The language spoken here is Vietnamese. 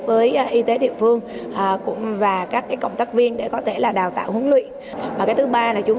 với y tế địa phương và các cộng tác viên để có thể là đào tạo huấn luyện và cái thứ ba là chúng